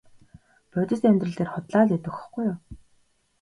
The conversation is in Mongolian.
Бодит амьдрал дээр худлаа л байдаг байхгүй юу.